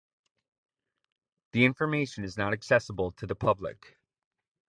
The information is not accessible to the public.